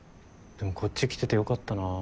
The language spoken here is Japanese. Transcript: でもこっち来ててよかったなぁ。